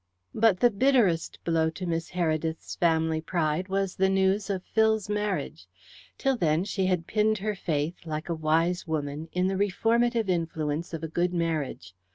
But the bitterest blow to Miss Heredith's family pride was the news of Phil's marriage. Till then she had pinned her faith, like a wise woman, in the reformative influence of a good marriage.